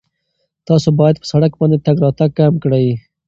تاسو باید په سړک باندې تګ راتګ کم کړئ.